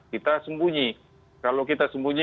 kita sembunyi kalau kita sembunyi